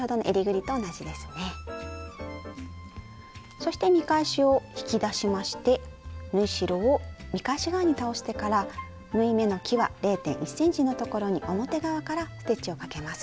そして見返しを引き出しまして縫い代を見返し側に倒してから縫い目のきわ０．１ｃｍのところに表側からステッチをかけます。